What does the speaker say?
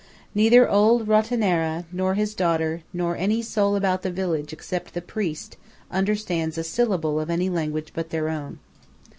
Neither old Rottenara, nor his daughter, nor any soul about the village, except the priest, understands a syllable of any language but their own.